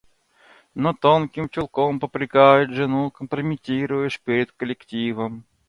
Но тонким чулком попрекает жену: – Компрометируешь пред коллективом.